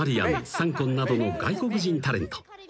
サンコンなどの外国人タレント］